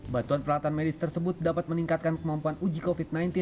bantuan peralatan medis tersebut dapat meningkatkan kemampuan uji covid sembilan belas